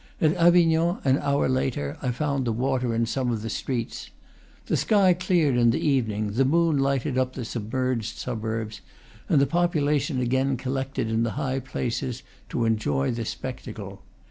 At Avignon, an hour later, I found the water in some of the streets. The sky cleared in the evening, the moon lighted up the submerged suburbs, and the population again collected in the high places to enjoy the spectacle.